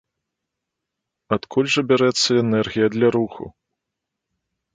Адкуль жа бярэцца энергія для руху?